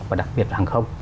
và đặc biệt là hàng không